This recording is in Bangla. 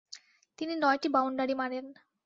তিনি নয়টি বাউন্ডারি মারেন।